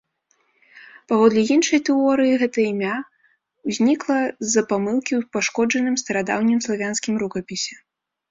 Паводле іншай тэорыі, гэта імя ўзнікла з-за памылкі ў пашкоджаным старадаўнім славянскім рукапісе.